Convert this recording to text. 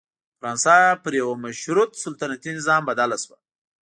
فرانسه پر یوه مشروط سلطنتي نظام بدله شوه.